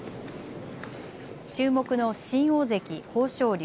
注目の新大関、豊昇龍。